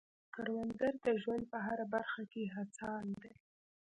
کروندګر د ژوند په هره برخه کې هڅاند دی